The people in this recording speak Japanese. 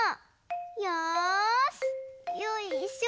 よし！